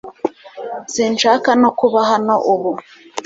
Sinshaka no kuba hano ubu